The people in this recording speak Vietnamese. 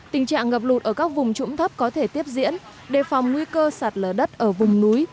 tình trạng ngập lụt ở các vùng trũng thấp có thể tiếp diễn đề phòng nguy cơ sạt lở đất ở vùng núi